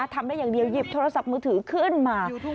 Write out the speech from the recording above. ทำได้อย่างเดียวหยิบโทรศัพท์มือถือขึ้นมา